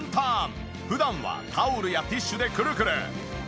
普段はタオルやティッシュでくるくる。